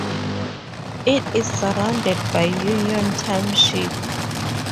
It is surrounded by Union Township.